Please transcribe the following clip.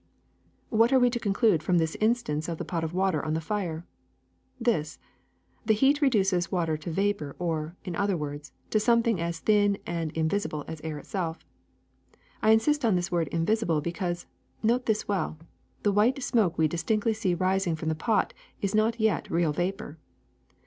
^^What are we to conclude from this instance of the pot of water on the fire? This : the heat reduces water to vapor or, in other words, to something as thin and invisible as air itself. I insist on this word invisible because — note this well — the white smoke we distinctly see rising from the pot is not yet real vapor.